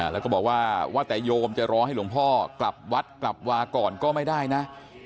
แล้วก็บอกว่าว่าแต่โยมจะรอให้หลวงพ่อกลับวัดกลับวาก่อนก็ไม่ได้นะ